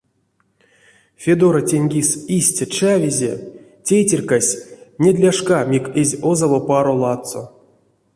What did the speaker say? Федора тень кис истя чавизе, тейтерькась недляшка мик эзь озаво паро ладсо.